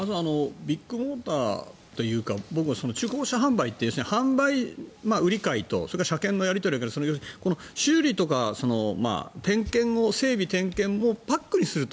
ビッグモーターというか中古車販売って販売、売り買いと車検のやり取りとこの修理とか整備・点検をパックにすると。